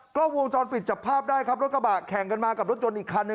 กล้องวงจรปิดจับภาพได้ครับรถกระบะแข่งกันมากับรถยนต์อีกคันหนึ่ง